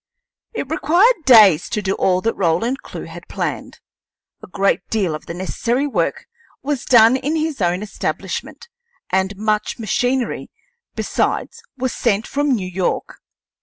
It required days to do all that Roland Clewe had planned. A great deal of the necessary work was done in his own establishment, and much machinery besides was sent from New York.